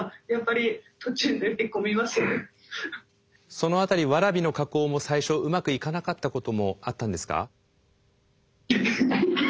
その辺りワラビの加工も最初うまくいかなかったこともあったんですか？